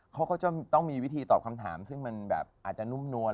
เขาก็จะมีวิธีตอบคำถามที่อาจจะนุ่มนวล